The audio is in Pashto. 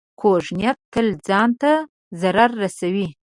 کوږ نیت تل ځان ته ضرر رسوي